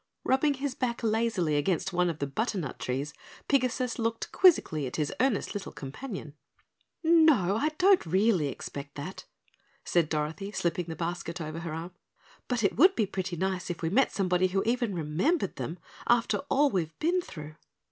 Rubbing his back lazily against one of the butternut trees, Pigasus looked quizzically at his earnest little companion. "No, I don't really expect that," said Dorothy, slipping the basket over her arm, "but it would be pretty nice if we met somebody who even remembered them, after all we've been through."